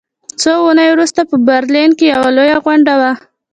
څو اونۍ وروسته په برلین کې یوه لویه غونډه وه